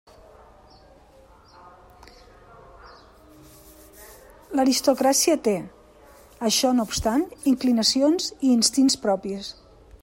L'aristocràcia té, això no obstant, inclinacions i instints propis.